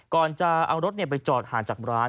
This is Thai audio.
ก่อนจะเอารถไปจอดห่างจากร้าน